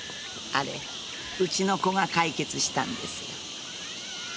あれうちの子が解決したんです。